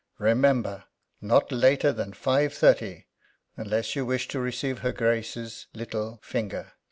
"Remember! not later than 5.30, unless you wish to receive her Grace's little finger."